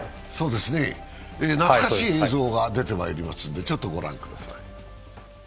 懐かしい映像が出てまいりますんでちょっと御覧ください。